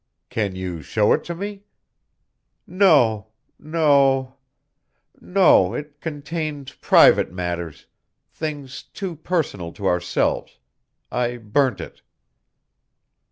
"Can you show it me?" "No; no ... no ... it contained private matters ... things too personal to ourselves.... I burnt it."